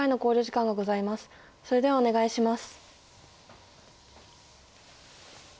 それではお願いします。